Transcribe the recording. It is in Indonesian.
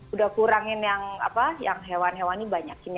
udah kurangin yang hewan hewan banyak